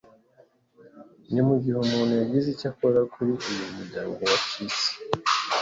Ni mugihe umuntu yagize icyo akora kuri uyu muryango wacitse.